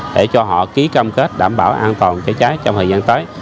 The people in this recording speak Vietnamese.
để cho họ ký cam kết đảm bảo an toàn cháy cháy trong thời gian tới